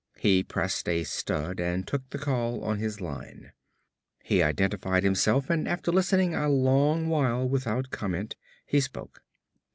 He pressed a stud and took the call on his line. He identified himself and after listening a long while without comment, he spoke.